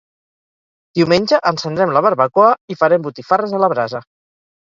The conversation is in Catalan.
Diumenge encendrem la barbacoa i farem botifarres a la brasa